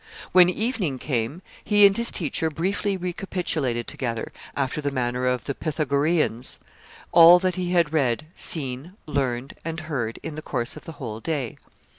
... When evening came, he and his teacher briefly recapitulated together, after the manner of the Pythagoreans, all that he had read, seen, learned, and heard in the course of the whole day.